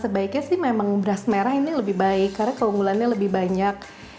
beras merah ini lebih baik karena keunggulannya lebih banyak